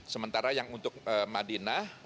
sementara yang untuk madinah